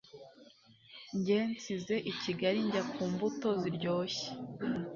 Njye nsize ikigali njya ku mbuto ziryoshye